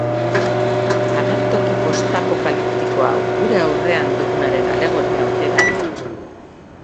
Agertoki postapokaliptiko hau gure aurrean dugunaren alegoria ote da?